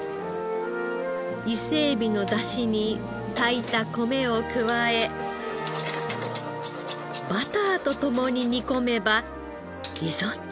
伊勢エビの出汁に炊いた米を加えバターと共に煮込めばリゾットに。